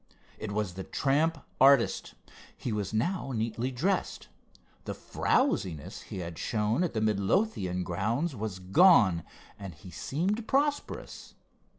It was the tramp artist. He was now neatly dressed. The frowsiness he had shown at the Midlothian grounds was gone, and he seemed prosperous.